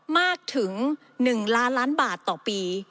มากถึง๑ล้านล้านบาทต่อปี